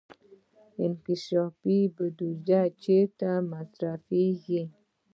انکشافي بودجه چیرته مصرفیږي؟